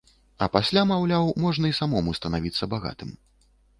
А пасля, маўляў, можна і самому станавіцца багатым.